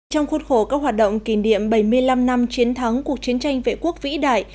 trong khuôn khổ các hoạt động kỷ niệm bảy mươi năm năm chiến thắng cuộc chiến tranh vệ quốc vĩ đại